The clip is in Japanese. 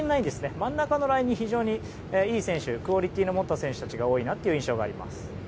真ん中のラインに、非常にいい選手クオリティーの持った選手が多いなという印象があります。